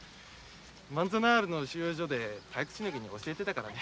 マンザナールの収容所で退屈しのぎに教えてたからね